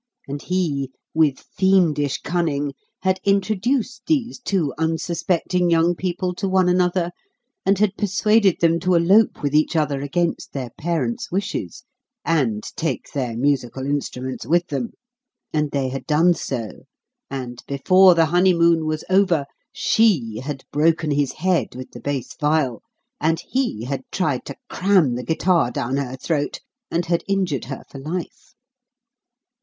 And he, with fiendish cunning, had introduced these two unsuspecting young people to one another, and had persuaded them to elope with each other against their parents' wishes, and take their musical instruments with them; and they had done so, and, before the honeymoon was over, SHE had broken his head with the bass viol, and HE had tried to cram the guitar down her throat, and had injured her for life.